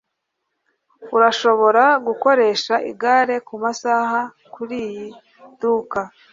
Urashobora gukoresha igare kumasaha kuriyi duka.